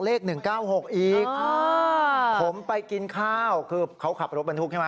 เลข๑๙๖อีกผมไปกินข้าวคือเขาขับรถบรรทุกใช่ไหม